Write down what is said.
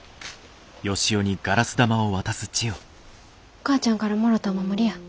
お母ちゃんから貰たお守りや。